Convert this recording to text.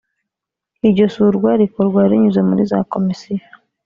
iryo surwa rikorwa rinyuze muri za komisiyo